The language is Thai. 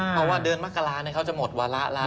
เพราะว่าเดือนมกราเขาจะหมดวาระแล้ว